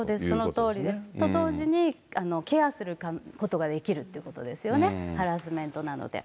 そのとおりですね。と同時に、ケアすることができるっていうことですよね、ハラスメントなので。